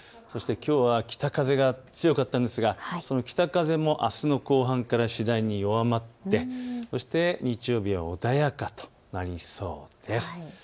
そしてきょうは北風が強かったんですがその北風もあすの後半から次第に弱まって日曜日は穏やかとなりそうです。